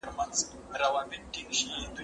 که ګوربت سي زموږ پاچا موږ یو بېغمه